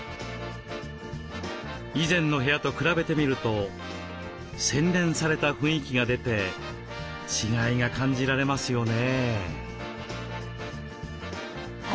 以前の部屋と比べてみると洗練された雰囲気が出て違いが感じられますよね。